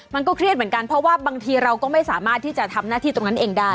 มันก็เครียดเหมือนกันเพราะว่าบางทีเราก็ไม่สามารถที่จะทำหน้าที่ตรงนั้นเองได้